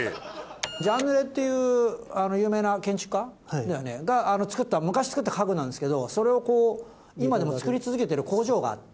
ジャンヌレっていう有名な建築家が作った昔作った家具なんですけどそれをこう今でも作り続けてる工場があって。